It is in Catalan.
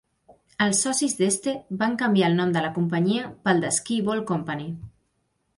Els socis d'Este van canviar el nom de la companyia pel de Skee-Ball Company.